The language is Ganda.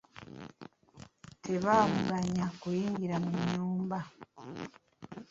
Tebaamuganya kuyingira mu nnyumba.